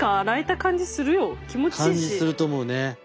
感じすると思うね。